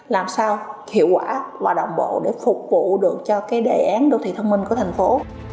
làm sao hiệu quả và đồng bộ để phục vụ được cho cái đề án đô thị thông minh của thành phố